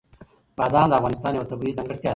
بادام د افغانستان یوه طبیعي ځانګړتیا ده.